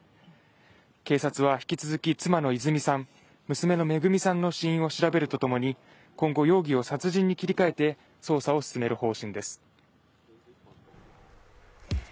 警察は引き続き妻の泉さん、娘の恵さんの死因を調べると共に今後、容疑を殺人に切り替えて捜査を進める方針です。